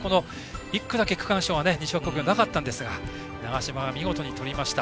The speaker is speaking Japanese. １区だけ区間賞が西脇工業はなかったんですが長嶋が見事にとりました。